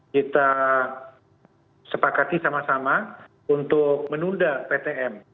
kita sepakati sama sama untuk menunda ptm